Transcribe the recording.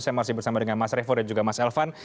saya masih bersama dengan mas revo dan juga mas elvan